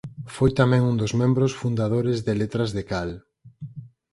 Foi tamén un dos membros fundadores de Letras de Cal.